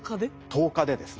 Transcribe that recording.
１０日でですね。